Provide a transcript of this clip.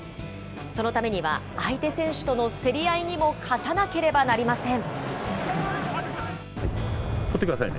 そのためには、相手選手との競り合いにも勝たなければなりません。